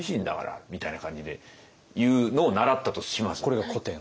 これが古典。